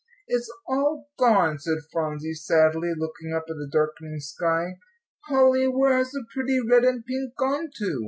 "It's all gone," said Phronsie, sadly, looking up at the darkening sky. "Polly, where has the pretty red and pink gone to?"